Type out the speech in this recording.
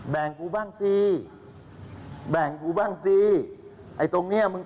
กูบ้างสิแบ่งกูบ้างสิไอ้ตรงเนี้ยมึง